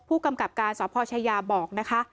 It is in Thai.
ผู้กำกับการสพชายาบอกนะคะ